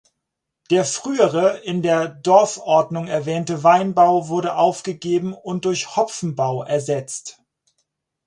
Der frühere, in der Dorfordnung erwähnte Weinbau wurde aufgegeben und durch Hopfenbau ersetzt.